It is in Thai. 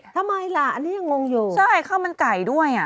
ทำไมล่ะอันนี้ยังงงอยู่ใช่ข้าวมันไก่ด้วยอ่ะ